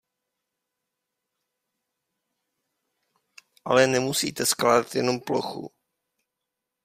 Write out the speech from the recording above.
Ale nemusíte skládat jenom plochu.